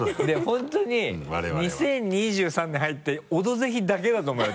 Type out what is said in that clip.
本当に２０２３年入って「オドぜひ」だけだと思うよ。